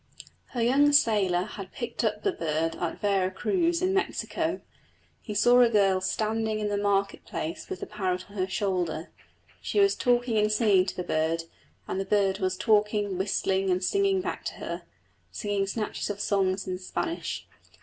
Her young sailor had picked up the bird at Vera Cruz in Mexico. He saw a girl standing in the market place with the parrot on her shoulder. She was talking and singing to the bird, and the bird was talking, whistling, and singing back to her singing snatches of songs in Spanish.